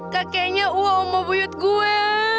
kakeknya uang mau buyut gue